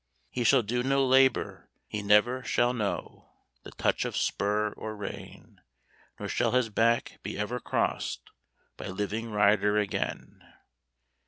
_ _He shall do no labor; he never shall know The touch of spur or rein; Nor shall his back be ever crossed By living rider again.